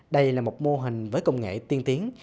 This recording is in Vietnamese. đây là một mô hình với công nghệ tiên tiến